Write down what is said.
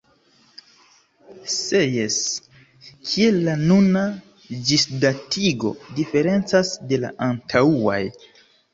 Se jes, kiel la nuna ĝisdatigo diferencas de la antaŭaj?